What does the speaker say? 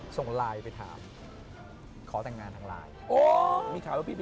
ส่งไลน์ไปถาม